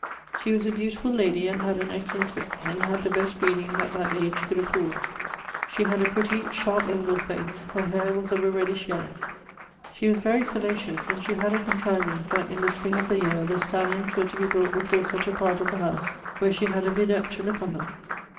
She was a beautifull ladie and had an excellent witt, and had the best breeding that that age could afford. Shee had a pritty sharpe ovall face. Her haire was of a reddish yellowe. She was very salacious, and she had a contrivance that in the spring of the yeare ... the stallions ... were to be brought before such a part of the house, where she had a vidette to look on them....